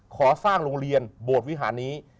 ขอสร้างโรงเรียนโบสถวิหารนี้